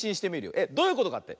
えっどういうことかって？